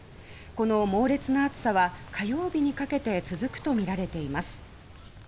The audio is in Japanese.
この猛烈な暑さは火曜日にかけて続くとみられています。